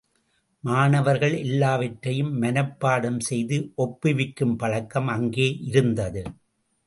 மாணவர்கள் எல்லாவற்றையும் மனப்பாடம் செய்து ஒப்புவிக்கும் பழக்கம் அங்கே இருந்தது.